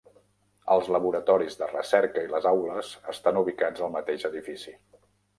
Els laboratoris de recerca i les aules estan ubicats al mateix edifici.